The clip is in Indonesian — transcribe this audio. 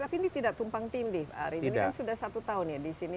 tapi ini tidak tumpang tindih pak arief ini kan sudah satu tahun ya di sini